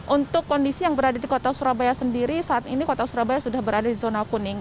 untuk kondisi yang berada di kota surabaya sendiri saat ini kota surabaya sudah berada di zona kuning